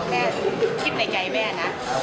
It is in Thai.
แม่คิดในใจแม่นะ